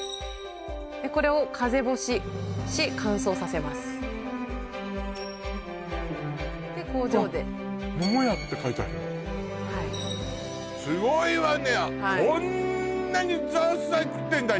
これを風干しし乾燥させますで工場ですごいわね！